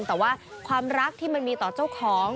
แต่ว่าความรักที่มันมีต่อเจ้าของ